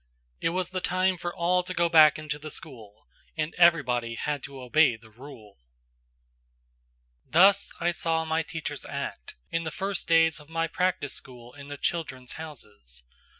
"It was the time for all to go back into the school–and everybody had to obey the rule." Thus I saw my teachers act in the first days of my practice school in the "Children's Houses."